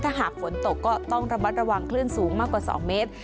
ถ้าหากฝนตกก็ต้องระมัดระวังคลื่นสูงมากกว่า๒เมตร